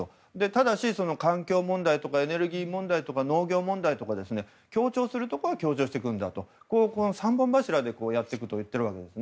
ただし、環境問題とかエネルギー問題、農業問題とか協調するところは協調していくんだという三本柱でやっていくと言っているわけです。